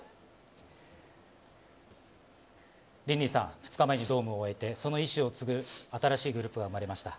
リンリンさん、２日前にドームを終えて、その意志を継ぐ新しいグループが生まれました。